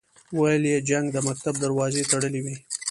ویل یې جنګ د مکتب دروازې تړلې وې.